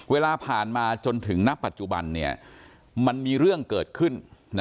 เวลาผ่านมาจนถึงณปัจจุบันมันมีเรื่องเกิดขึ้น